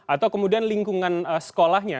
atau kemudian lingkungan sekolahnya